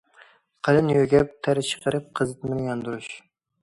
قېلىن يۆگەپ، تەر چىقىرىپ قىزىتمىنى ياندۇرۇش.